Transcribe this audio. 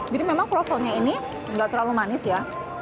jadi memang kroffelnya ini nggak terlalu manis ya